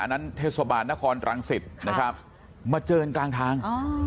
นั้นเทศบาลนครรังสิตนะครับมาเจอกันกลางทาง